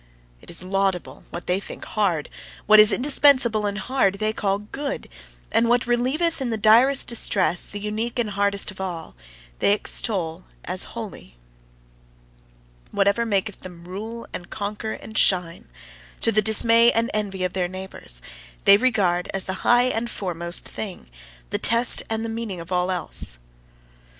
It is laudable, what they think hard; what is indispensable and hard they call good; and what relieveth in the direst distress, the unique and hardest of all, they extol as holy. Whatever maketh them rule and conquer and shine, to the dismay and envy of their neighbours, they regard as the high and foremost thing, the test and the meaning of all else.